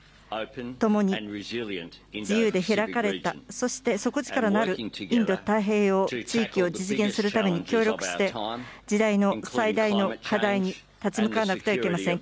ともに自由で開かれた、そして底力のあるインド太平洋地域を実現するために協力して、時代の最大の課題に立ち向かわなくてはいけません。